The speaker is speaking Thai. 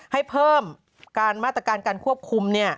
ให้เพิ่มการมาตรการการควบคุม